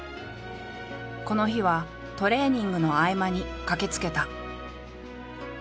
この日はトレーニングの合間に駆けつけた。